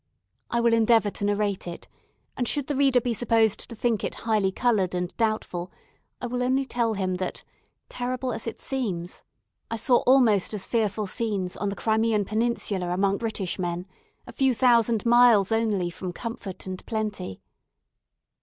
I will endeavour to narrate it, and should the reader be supposed to think it highly coloured and doubtful, I will only tell him that, terrible as it seems, I saw almost as fearful scenes on the Crimean peninsula among British men, a few thousand miles only from comfort and plenty.